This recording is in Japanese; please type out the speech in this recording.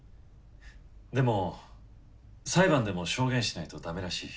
でも裁判でも証言しないと駄目らしい。